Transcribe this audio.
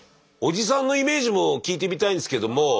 おじさんのイメージも聞いてみたいんですけども。